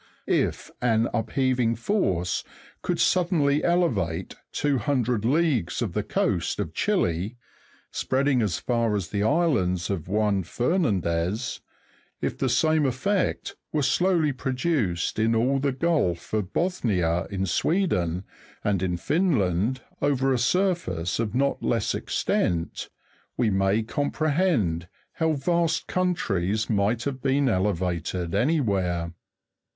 If an upheaving force could suddenly elevate 200 leagues of the coast of Chile (page 99), spreading as far as the islands of Juan Fernandez; if the same effect were slowly produced in all the gulf of Bothnia, in Sweden, and in Finland, over a surface of not less extent, we may comprehend how vast countries might have been elevated anywhere.